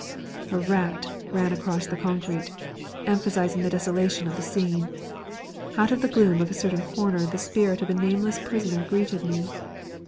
A rat ran across the concrete, emphasising the desolation of the scene. Out of the gloom of a certain corner the spirit of a nameless prisoner greeted me.